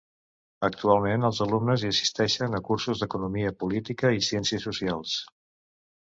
Actualment els alumnes hi assisteixen a cursos d'economia, política i ciències socials.